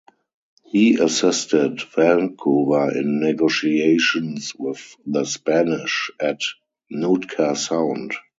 He assisted Vancouver in negotiations with the Spanish at Nootka Sound.